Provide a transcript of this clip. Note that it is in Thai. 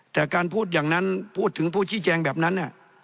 แต่การพูดอย่างนั้นพูดถึงผู้ชี้แจงแบบนั้น